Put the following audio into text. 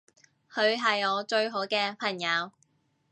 佢係我最好嘅朋友